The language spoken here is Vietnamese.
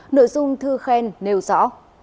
nội dung thư khen nêu rõ